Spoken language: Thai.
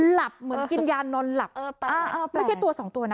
หลับเหมือนกินยานอนหลับไม่ใช่ตัวสองตัวนะ